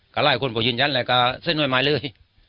ก็ล่ายคนไปยืนยันเลยก็เส้นไม่มายเลย